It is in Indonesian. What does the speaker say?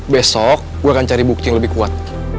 besok gue akan cari bukti yang lebih kuat